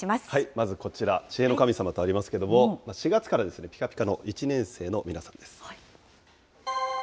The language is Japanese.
まずこちら、知恵の神様とありますけれども、４月からピカピカの１年生の皆さんです。